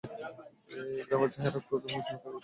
ইকরামার চেহারায় ছিল ক্রোধ এবং বিষন্নতার গভীর ছাপ।